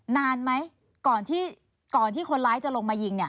นานไหมก่อนที่คนร้ายจะลงมายิง